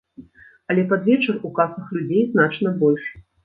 Але пад вечар у касах людзей значна больш.